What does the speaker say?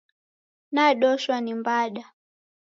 Nadoshwa ni mbada.